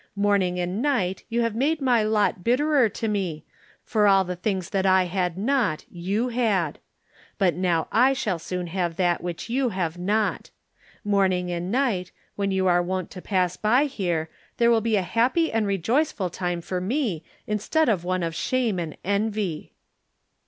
Morning and night you have made my lot 49 Digitized by Google THE NINTH MAN bitterer to me, for all the things that I had not you had. But now I shall soon have that which you have not. Morning and night, when you were wont to pass by here, there will be a happy and rejoiceful time for me instead of one of shame and envy."